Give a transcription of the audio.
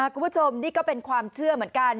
คุณผู้ชมนี่ก็เป็นความเชื่อเหมือนกัน